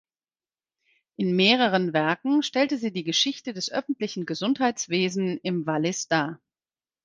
In mehreren Werken stellte sie die Geschichte des öffentlichen Gesundheitswesen im Wallis dar.